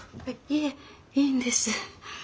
いえいいんです。